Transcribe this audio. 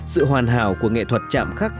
sự hoàn hảo của nghệ thuật chạm khắc